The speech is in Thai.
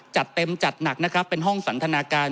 จัดเต็มจัดหนักนะครับเป็นห้องสันทนาการ